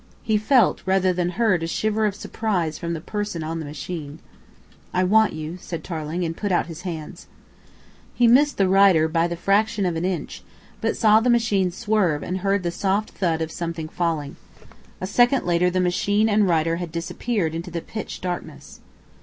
He felt rather than heard a shiver of surprise from the person on the machine. "I want you," said Tarling, and put out his hands. He missed the rider by the fraction of an inch, but saw the machine swerve and heard the soft thud of something falling. A second later the machine and rider had disappeared in the pitch darkness.